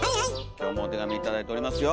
今日もお手紙頂いておりますよ。